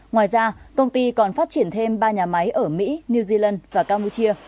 ngoài ra công ty còn phát triển thêm ba nhà máy ở mỹ new zealand và campuchia